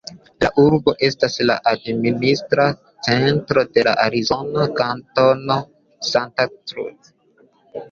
La urbo estas la administra centro de la arizona kantono "Santa Cruz".